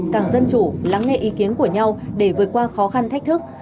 càng dân chủ lắng nghe ý kiến của nhau để vượt qua khó khăn thách thức